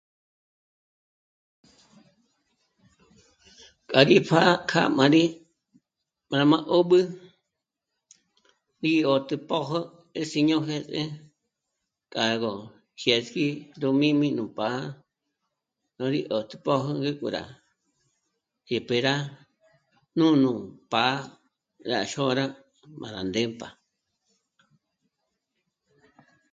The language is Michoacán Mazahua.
K'a rí pjâ'a k'a má rí mā̀mā̀ 'ób'ü rí 'ójtü pójo 'ési ño j'ês'e, k'a gó jyésgi ndú mī̀mi nú pá'a, no rí 'ótpö̀jö ngé k'u rá dyép'e rá nújnu pa la xôra má rá ndémp'a